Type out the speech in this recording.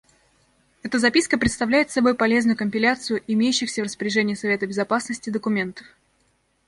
Эта записка представляет собой полезную компиляцию имеющихся в распоряжении Совета Безопасности документов.